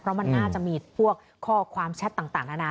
เพราะมันน่าจะมีพวกข้อความแชทต่างนานา